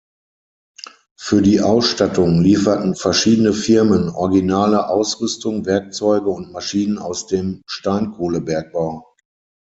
Für die Ausstattung lieferten verschiedene Firmen originale Ausrüstung, Werkzeuge und Maschinen aus dem Steinkohlebergbau.